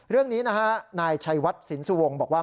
เรื่องนี้นะฮะนายชัยวัดสินสุวงศ์บอกว่า